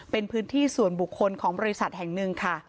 เป็นพื้นที่ส่วนบุคคลของบริษัทแห่งหนึ่งค่ะ